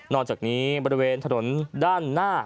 จากนี้บริเวณถนนด้านหน้า